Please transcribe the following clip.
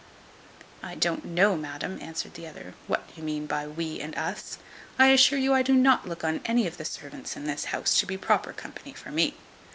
"I don't know, madam," answered the other, "what you mean by we and us. I assure you I do not look on any of the servants in this house to be proper company for me.